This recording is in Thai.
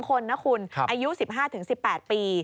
คนนะคุณอายุ๑๕๑๘ปี